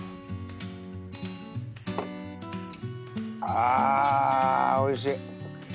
あおいしい。